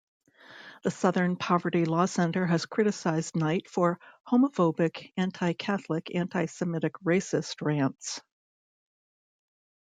The Southern Poverty Law Center has criticized Knight for "homophobic, anti-Catholic, anti-Semitic racist rants".